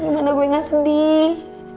gimana gue nggak sedih